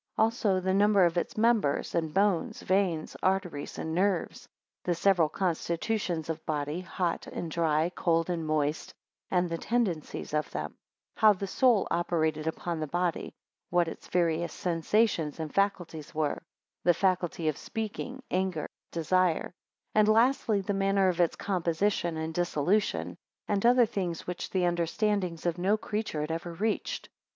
15 Also the number of its members, and bones, veins, arteries, and nerves; 16 The several constitutions of body, hot and dry, cold and moist, and the tendencies of them; 17 How the soul operated upon the body; 18 What its various sensations and faculties, were; 19 The faculty of speaking, anger, desire; 20 And lastly the manner of its composition and dissolution; and other things, which the understanding of no creature had ever reached.